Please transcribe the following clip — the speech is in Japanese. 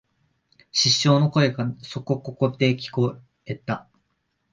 失笑の声がそこここで聞えた